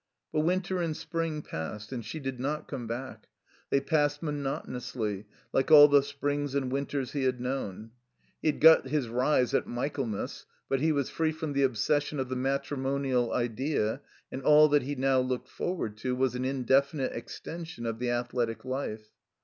But winter and spring passed, and she did not come back. They passed monotonously, like all the springs and winters he had known. He had got his rise at Michaelmas; but he was free from the obses sion of the matrimonial idea and all that he now looked forward to was an indefinite extension of the Athletic Life.